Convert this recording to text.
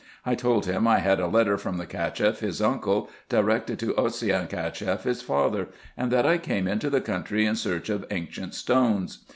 I told him I had a letter from the Cacheff, his uncle, directed to Osseyn Cacheff, his father ; and that I came into the country in search of ancient stones.